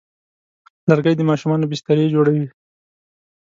لرګی د ماشومانو بسترې جوړوي.